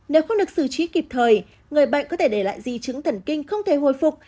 nếu không được xử trí kịp thời người bệnh có thể để lại di chứng thần kinh không thể hồi phục